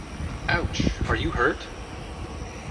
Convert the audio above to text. Ouch! Are you hurt?